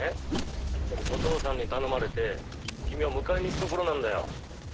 お父さんに頼まれて君を迎えに行くところなんだよ」